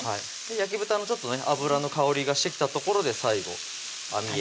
焼き豚のちょっとね脂の香りがしてきたところで最後あみえびです